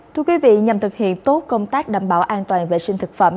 thưa quý vị nhằm thực hiện tốt công tác đảm bảo an toàn vệ sinh thực phẩm